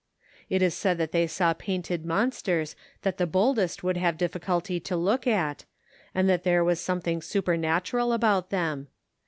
It is said that they saw painted monsters that the boldest would have difficulty to look at, and that there was something supernatural about them.